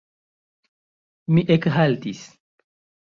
Mi ekhaltis.